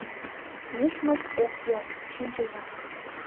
Нӧшмышт ок йом, шинчыза.